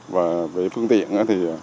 và về phương tiện thì